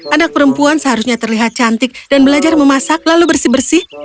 anak perempuan seharusnya terlihat cantik dan belajar memasak lalu bersih bersih